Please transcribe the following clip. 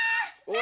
何？